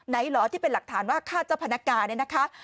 เหรอที่เป็นหลักฐานว่าฆ่าเจ้าพนักงานเนี่ยนะคะ